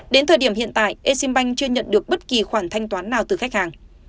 đến thời điểm hiện tại eximbank chưa nhận được bất kỳ khoản thanh toán nào từ khách hàng